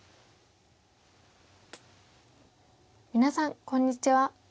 皆さんこんにちは。